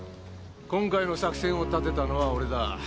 今回の作戦を立てたのは俺だ。